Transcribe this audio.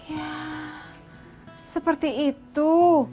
ya seperti itu